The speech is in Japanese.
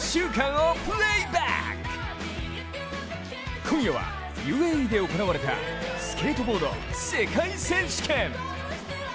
今夜はＵＡＥで行われたスケートボード世界選手権。